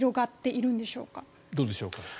どうでしょうか。